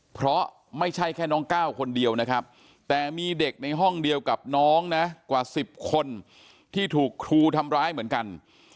เพราะไม่ใช่แค่น้องก้าวคนเดียวนะครับแต่มีเด็กในห้องเดียวกับน้องนะกว่า๑๐คนที่ถูกครูทำร้ายเหมือนกัน